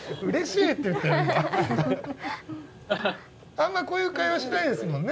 あんまこういう会話しないですもんね。